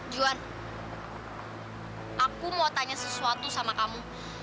juan aku mau tanya sesuatu sama kamu